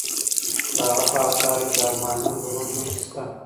د هغه په آثارو کې د افغاني غرور نښې شته.